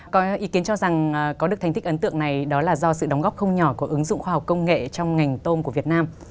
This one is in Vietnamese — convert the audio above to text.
có ý kiến cho rằng có được thành tích ấn tượng này đó là do sự đóng góp không nhỏ của ứng dụng khoa học công nghệ trong ngành tôm của việt nam